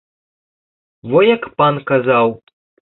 Во як пан казаў.